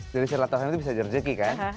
dari silat tuhan itu bisa jadi rejeki kan